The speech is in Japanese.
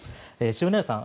塩谷さん